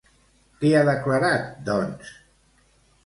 Què ha declarat, doncs?